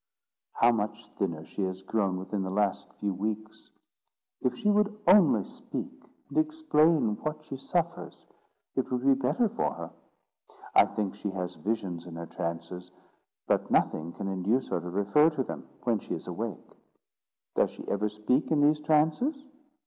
"How much thinner she has grown within the last few weeks! If she would only speak, and explain what she suffers, it would be better for her. I think she has visions in her trances, but nothing can induce her to refer to them when she is awake." "Does she ever speak in these trances?"